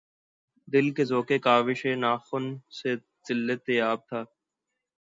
دل کہ ذوقِ کاوشِ ناخن سے لذت یاب تھا